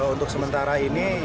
untuk sementara ini